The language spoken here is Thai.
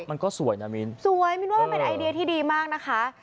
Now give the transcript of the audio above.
มันก็สวยนะมิ้นสวยมินว่ามันเป็นไอเดียที่ดีมากนะคะ